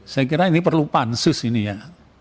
saya kira ini perlu pansus ini ya